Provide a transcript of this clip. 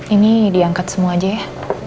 ini diangkat semua aja ya